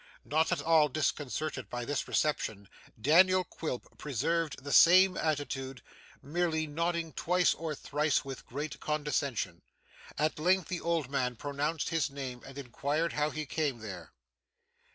Not at all disconcerted by this reception, Daniel Quilp preserved the same attitude, merely nodding twice or thrice with great condescension. At length, the old man pronounced his name, and inquired how he came there.